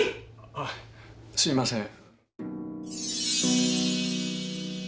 あっすいません。